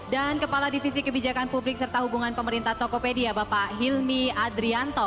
dan kepala divisi kebijakan publik serta hubungan pemerintah tokopedia bapak hilmi adrianto